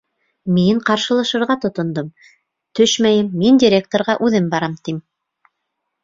Мин ҡаршылашырға тотондом, төшмәйем, мин директорға үҙем барам, тим.